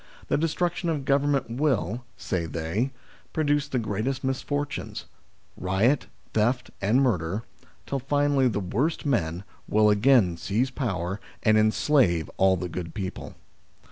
The destruction of government will, say they, produce the greatest misfortunes riot, theft, and murder till finally the worst men 93 94 THE SLAVERY OF OUR TIMES will again seize power and enslave all the good people.